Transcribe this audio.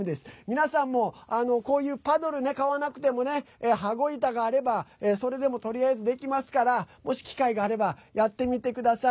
皆さんもこういうパドル買わなくても羽子板があれば、それでもとりあえずできますからもし機会があればやってみてください。